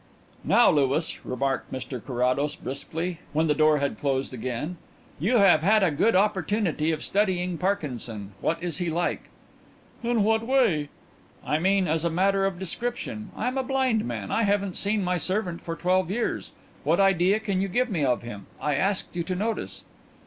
"Now, Louis," remarked Mr Carrados briskly, when the door had closed again, "you have had a good opportunity of studying Parkinson. What is he like?" "In what way?" "I mean as a matter of description. I am a blind man I haven't seen my servant for twelve years what idea can you give me of him? I asked you to notice."